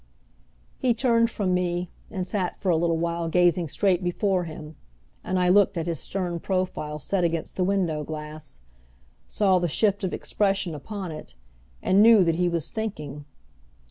He turned from me, and sat for a little while gazing straight before him, and I looked at his stern profile set against the window glass, saw the shift of expression upon it, and knew that he was thinking.